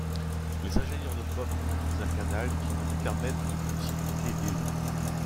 Les ingénieurs de Pope construisent un canal qui lui permet de court-circuiter l'île.